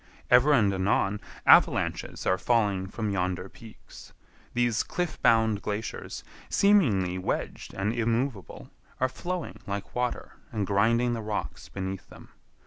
Ever and anon, avalanches are falling from yonder peaks. These cliff bound glaciers, seemingly wedged and immovable, are flowing like water and grinding the rocks beneath them.